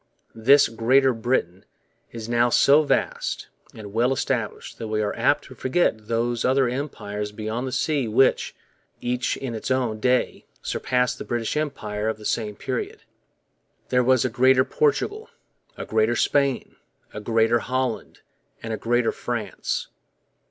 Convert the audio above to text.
This 'Greater Britain' is now so vast and well established that we are apt to forget those other empires beyond the seas which, each in its own day, surpassed the British Empire of the same period. There was a Greater Portugal, a Greater Spain, a Greater Holland, and a Greater France.